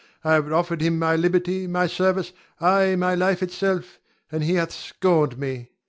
I have offered him my liberty, my service, ay, my life itself, and he hath scorned me.